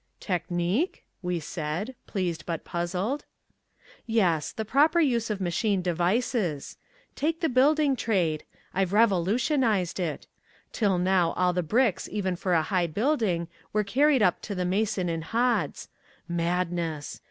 "Technique?" we said, pleased but puzzled. "Yes, the proper use of machine devices. Take the building trade. I've revolutionized it. Till now all the bricks even for a high building were carried up to the mason in hods. Madness!